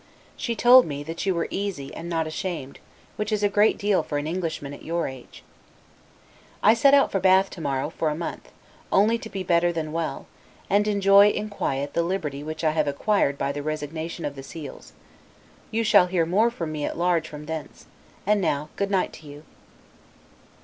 She told me, that you were easy, and not ashamed: which is a great deal for an Englishman at your age. I set out for Bath to morrow, for a month; only to be better than well, and enjoy, in, quiet, the liberty which I have acquired by the resignation of the seals. You shall hear from me more at large from thence; and now good night to you.